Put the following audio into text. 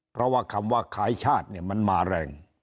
เพราะว่าคำว่าขายชาติเนี่ยมันมาแรง